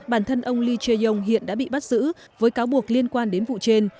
bản thân ông lee che yong hiện đã bị bắt giữ với cáo buộc liên quan đến vụ trên